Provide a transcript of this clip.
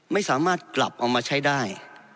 ไม่สามารถกลับเอามาใช้ได้